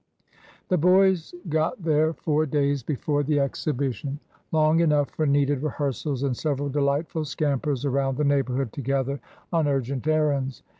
The boys got there four days before the exhibition, — long enough for needed rehearsals and several delightful scampers around the neighborhood together on urgent errands.